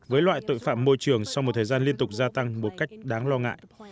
với loại tội phạm môi trường sau một thời gian liên tục gia tăng một cách đáng lo ngại